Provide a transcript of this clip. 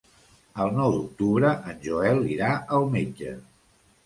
El nou d'octubre en Joel irà al metge.